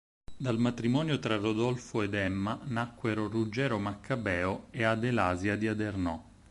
Dal matrimonio tra Rodolfo ed Emma nacquero Ruggero Maccabeo e Adelasia di Adernò.